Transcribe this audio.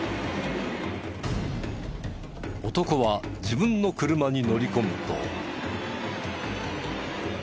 男は自分の車に乗り込むと。